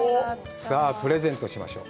さあ、プレゼントしましょう。